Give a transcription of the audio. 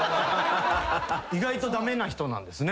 意外と駄目な人なんですね